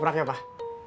ketoprak ya pak